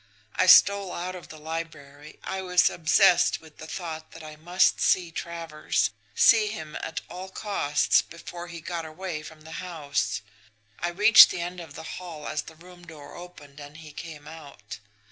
I stole out of the library. I was obsessed with the thought that I must see Travers, see him at all costs, before he got away from the house. I reached the end of the hall as the room door opened, and he came out.